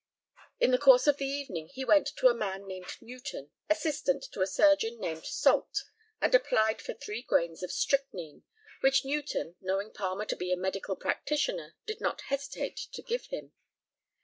In the course of the evening he went to a man named Newton, assistant to a surgeon named Salt, and applied for three grains of strychnine, which Newton, knowing Palmer to be a medical practitioner, did not hesitate to give him.